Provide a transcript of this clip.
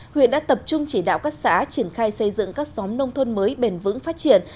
huyện đã tập trung chỉ đạo các xã triển khai xây dựng các xóm nông thôn mới bền vững phát triển